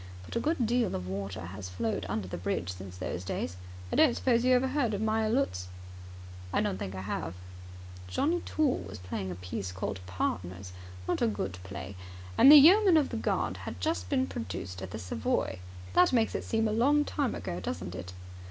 But a good deal of water has flowed under the bridge since those days. I don't suppose you have ever heard of Meyer Lutz?" "I don't think I have." "Johnnie Toole was playing a piece called Partners. Not a good play. And the Yeoman of the Guard had just been produced at the Savoy. That makes it seem a long time ago, doesn't it?